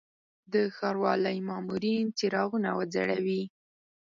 د ښاروالي مامورین څراغونه وځړوي.